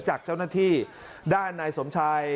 จากเจ้าหน้าที่ด้านนายสมชัย